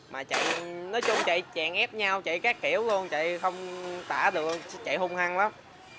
mà chạy nói chung chạy chèn ép nhau chạy các kiểu luôn chạy không tả được chạy hung hăng lắm